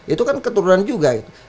itu kan keturunan juga